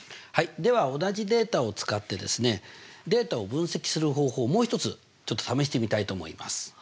はいでは同じデータを使ってですねデータを分析する方法をもう一つちょっと試してみたいと思います。